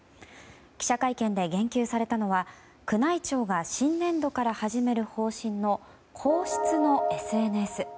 記者会見で言及されたのは宮内庁が新年度から始める方針の皇室のＳＮＳ。